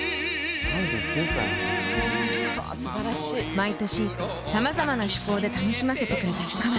毎年さまざまな趣向で楽しませてくれた氷川さん。